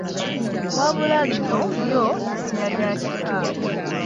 Wabula lino lyo si linnya lya kika.